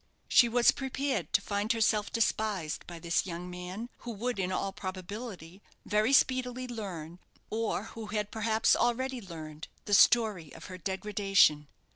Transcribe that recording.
She was prepared to find herself despised by this young man, who would, in all probability, very speedily learn, or who had perhaps already learned, the story of her degradation.